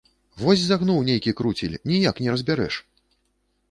Вось загнуў нейкі круцель, ніяк не разбярэш!